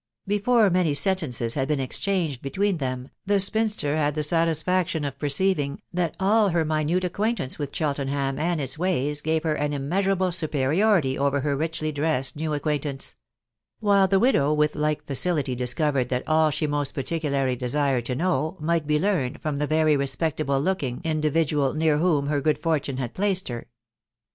Before many sentences had been exchanged between them, the spinster had the satisfaction of perceiving, that all her minute acquaintance with Cheltenham and its ways gave her an immeasurable superiority over her richly dressed new ac quaintance ; while the widow with like facility discovered that all she most particularly desired to know, might be learned from the very respectable looking individual near whom her good fortune had placed her.